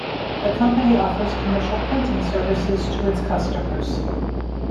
The company offers commercial printing services to its customers.